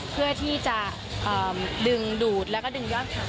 เพื่อที่จะดึงดูดแล้วก็ดึงยอดเขา